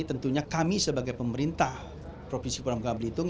tentunya kami sebagai pemerintah provinsi pulau bangka belitung